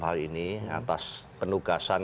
hal ini atas penugasan